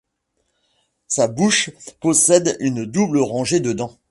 Sa bouche possède une double rangée de dents.